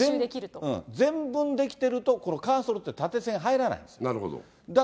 全文出来てると、このカーソルって縦線入らないんです。